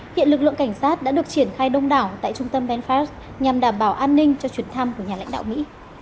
hiện lực lượng cảnh sát đã được triển khai đông đảo tại trung tâm belarus nhằm đảm bảo an ninh cho chuyến thăm của nhà lãnh đạo mỹ